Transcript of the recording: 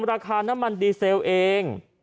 ราคาน้ำมันดีเซลเอง